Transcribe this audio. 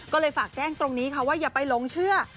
ก็เลยฝากแจ้งตรงนี้ค่ะว่าอย่าไปหลงเชื่อ